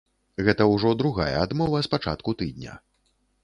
Гэта ўжо другая адмова з пачатку тыдня.